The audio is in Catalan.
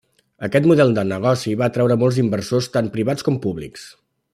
Aquest model de negoci va atreure molts inversors tant privats com públics.